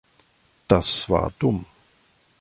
Das war dumm.